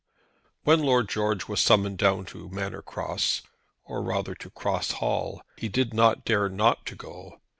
When Lord George was summoned down to Manor Cross, or rather, to Cross Hall, he did not dare not to go.